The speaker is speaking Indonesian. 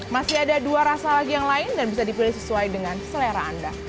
masih ada dua rasa lagi yang lain dan bisa dipilih sesuai dengan selera anda